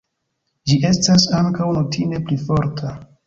Ĝi estas ankaŭ notinde pli forta.